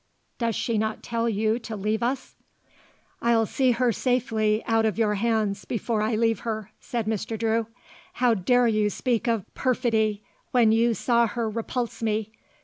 Does she not tell you to leave us?" "I'll see her safely out of your hands before I leave her," said Mr. Drew. "How dare you speak of perfidy when you saw her repulse me?